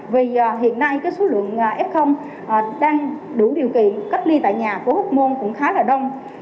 vì hiện nay cái số lượng f đang đủ điều kiện cách ly tại nhà của hóc môn cũng khá là đông